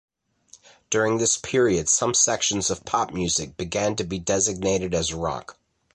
During this period some sections of pop music began to be designated as rock.